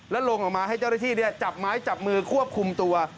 แล้วลงออกมาให้เจ้าหน้าที่จับไม้จับมือควบคุมตัว